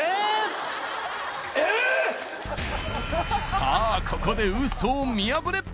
さあここでウソを見破れ